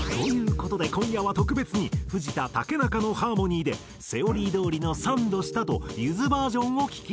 事で今夜は特別に藤田竹中のハーモニーでセオリーどおりの３度下とゆずバージョンを聴き比べ。